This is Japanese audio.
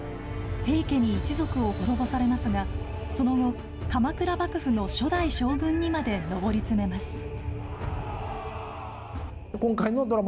平家に一族を滅ぼされますがその後、鎌倉幕府の初代将軍にまで上り詰めます。